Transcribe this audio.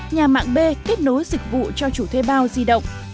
nhà mạng b kết nối dịch vụ cho chủ thuê bao di động